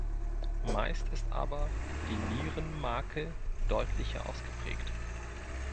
Meist ist aber die Nierenmakel deutlicher ausgeprägt.